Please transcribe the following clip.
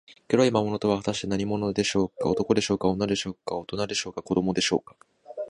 黒い魔物とは、はたして何者でしょうか。男でしょうか、女でしょうか、おとなでしょうか、子どもでしょうか。